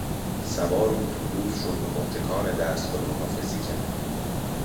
سوار اتوبوس شد و با تکان دست خداحافظی کرد.